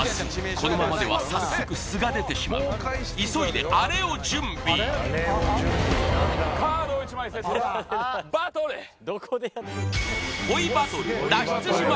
このままでは早速素が出てしまう急いであれを準備カードを１枚セットバトル！